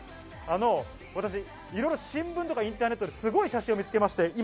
私、いろいろ新聞とかインターネットですごい写真を見つけました。